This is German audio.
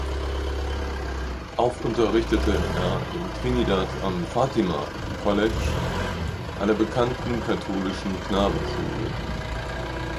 Auch unterrichtete er in Trinidad am "Fatima College", einer bekannten katholischen Knabenschule.